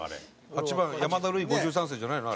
８番山田ルイ５３世じゃないの？